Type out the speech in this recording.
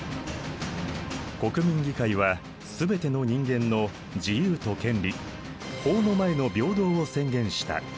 国民議会はすべての人間の自由と権利法の前の平等を宣言した。